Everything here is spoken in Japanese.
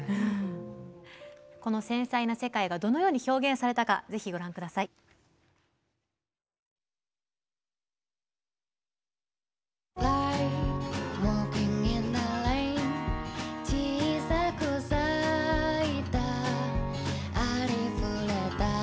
この繊細な世界がどのように表現されたかぜひご覧ください。